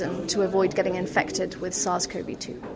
untuk mengelakkan penyakit dengan sars cov dua